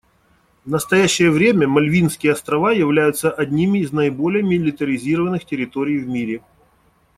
В настоящее время Мальвинские острова являются одними из наиболее милитаризированных территорий в мире.